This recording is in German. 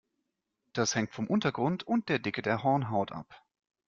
Das hängt vom Untergrund und der Dicke der Hornhaut ab.